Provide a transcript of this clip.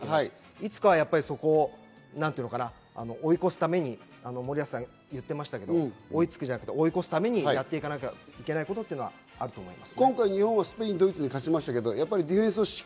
いつかはそこを追い越すために森保さんが言っていましたが、追いつくじゃなく、追い越すためにやっていかなきゃいけないことはあると思います。